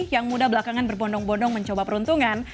yang muda belakangan berbondong bondong mencoba peruntungan